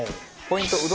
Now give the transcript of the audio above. ポイント。